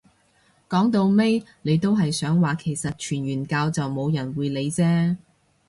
講到尾你都係想話其實傳完教都冇人會理啫